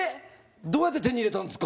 どうやって手に入れたんですか？